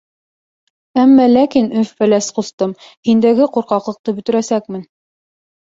— Әммә ләкин, Өф-Фәләс ҡустым, һиндәге ҡурҡаҡлыҡты бөтөрәсәкмен.